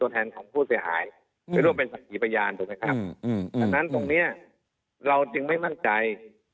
จะร่วมสำคัญเป็นศักดิ์พยานถุประนานตรงนี้ว่าเราจะไม่มั่งใจ